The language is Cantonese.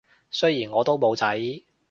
雖然我都冇仔